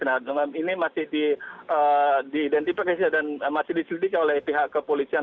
nah demam ini masih diidentifikasi dan masih diselidiki oleh pihak kepolisian